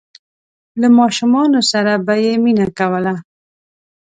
له ماشومانو سره به یې مینه کوله.